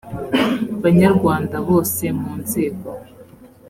banyarwanda bose mu nzego